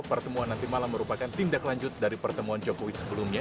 pertemuan nanti malam merupakan tindak lanjut dari pertemuan jokowi sebelumnya